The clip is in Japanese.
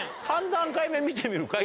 ３段階目見てみるか